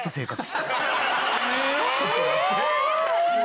すごーい！